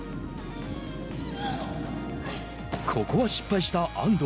ここは失敗した安藤。